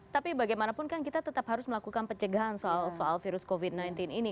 tapi bagaimanapun kan kita tetap harus melakukan pencegahan soal virus covid sembilan belas ini